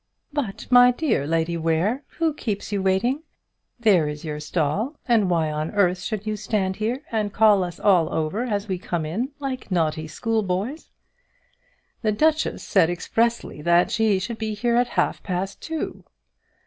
"But my dear Lady Ware, who keeps you waiting? There is your stall, and why on earth should you stand here and call us all over as we come in, like naughty schoolboys?" "The duchess said expressly that she would be here at half past two."